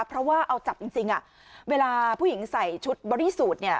เพราะว่าเอาจับจริงเวลาผู้หญิงใส่ชุดบอดี้สูตรเนี่ย